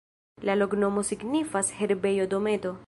La loknomo signifas: herbejo-dometo.